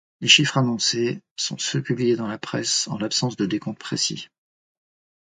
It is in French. Les chiffres annoncés sont ceux publiés dans la presse en l'absence de décompte précis.